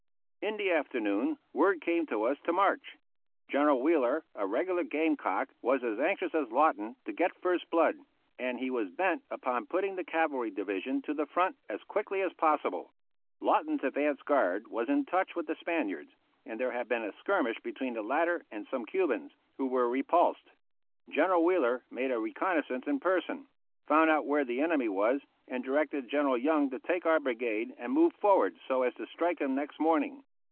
In the afternoon word came to us to march. General Wheeler, a regular game cock, was as anxious as Lawton to get first blood, and he was bent upon putting the cavalry division to the front as quickly as possible. Lawton's advance guard was in touch with the Spaniards, and there had been a skirmish between the latter and some Cubans, who were repulsed. General Wheeler made a reconnaissance in person, found out where the enemy was, and directed General Young to take our brigade and move forward so as to strike him next morning.